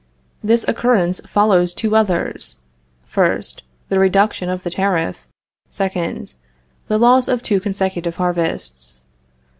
This occurrence follows two others: First. The reduction of the tariff. Second. The loss of two consecutive harvests.